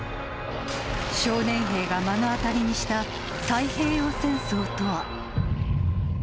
少年兵が目の当たりにした、太平洋戦争とは。